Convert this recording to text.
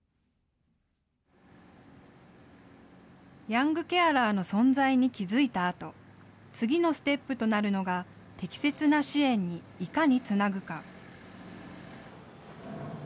ヤングケアラーの存在に気付いたあと次のステップとなるのが適切な支援にいかにつなぐか。